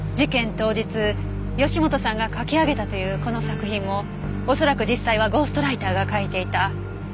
当日義本さんが書き上げたというこの作品もおそらく実際はゴーストライターが書いていた。